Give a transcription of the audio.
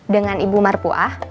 dengan ibu marpuah